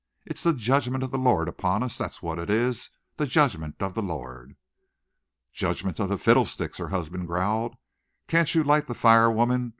It's the judgment of the Lord upon us! That's what it is the judgment of the Lord!" "Judgment of the fiddlesticks!" her husband growled. "Can't you light the fire, woman?